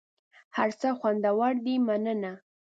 هر څه خوندور دي مننه .